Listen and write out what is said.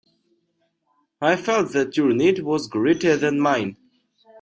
I felt that your need was greater than mine.